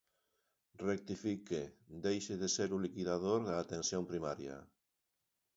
Rectifique, deixe de ser o liquidador da Atención Primaria.